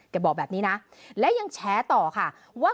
ก็อย่างนี้นะแล้วยังแฉต่อค่ะว่า